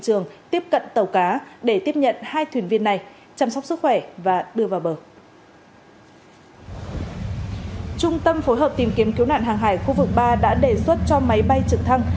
trung tâm phối hợp tìm kiếm cứu nạn hàng hải khu vực ba đã đề xuất cho máy bay trực thăng